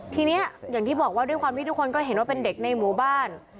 ทีนี้อย่างที่บอกว่าด้วยความที่ทุกคนก็เห็นว่าเป็นเด็กในหมู่บ้าน